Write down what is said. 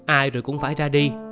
ai rồi cũng phải ra đi